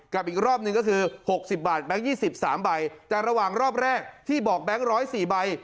อีกรอบหนึ่งก็คือ๖๐บาทแบงค์๒๓ใบแต่ระหว่างรอบแรกที่บอกแบงค์๑๐๔ใบ